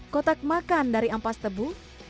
kotak makan dari ampas tebu